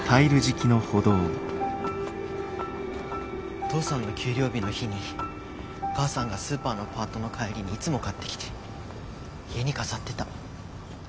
お父さんの給料日の日にお母さんがスーパーのパートの帰りにいつも買ってきて家に飾ってた。